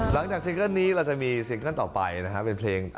ซิงเกิ้ลนี้เราจะมีซิงเกิ้ลต่อไปนะครับเป็นเพลง